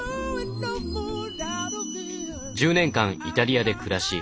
１０年間イタリアで暮らし